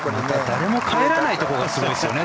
誰も帰らないところがすごいですよね。